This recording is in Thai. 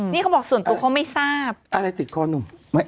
นี่เขาบอกส่วนตัวเขาไม่ทราบอะไรติดคอหนุ่ม